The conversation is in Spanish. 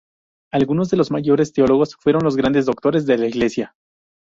Algunos de los mayores teólogos fueron los grandes doctores de la Iglesia.